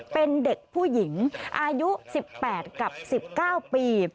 เป็นเด็กผู้หญิงอายุ๑๘กับ๑๙ปี